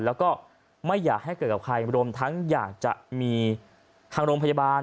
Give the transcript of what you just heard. แล้วก็ไม่อยากให้เกิดกับใครรวมทั้งอยากจะมีทางโรงพยาบาล